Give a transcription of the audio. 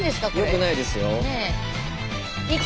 よくないですよ。